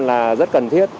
là rất cần thiết